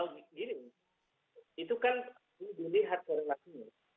gini itu kan dilihat oleh laki laki